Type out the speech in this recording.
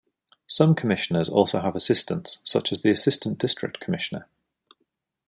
Some commissioners also have assistants, such as the Assistant District Commissioner.